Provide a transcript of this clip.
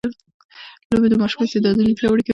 لوبې د ماشوم استعدادونه پياوړي کوي.